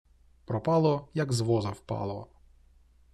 Пропало, як з воза впало.